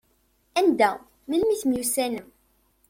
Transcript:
Anda, melmi temyussanem?